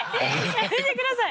やめてください！